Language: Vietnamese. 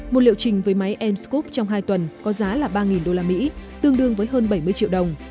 một liệu trình với máy em scrub trong hai tuần có giá là ba usd tương đương với hơn bảy mươi triệu đồng